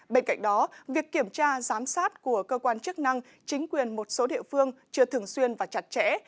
bên cạnh đó việc kiểm tra giám sát của cơ quan chức năng chính quyền một số địa phương chưa thường xuyên và chặt chẽ